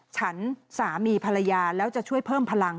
ฉันสามีภรรยาแล้วจะช่วยเพิ่มพลัง